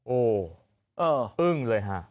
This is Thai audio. โอ้โหอึ้งเลยฮะ